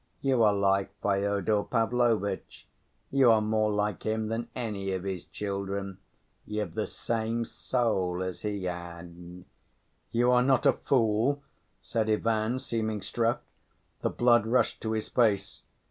You are like Fyodor Pavlovitch, you are more like him than any of his children; you've the same soul as he had." "You are not a fool," said Ivan, seeming struck. The blood rushed to his face.